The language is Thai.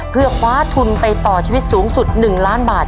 เพื่อคว้าทุนไปต่อชีวิตสูงสุด๑ล้านบาท